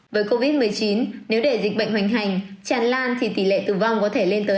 với covid một mươi chín nếu để dịch bệnh hoành hành tràn lan thì tỷ lệ tử vong có thể lên tới